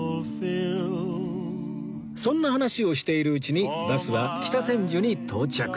そんな話をしているうちにバスは北千住に到着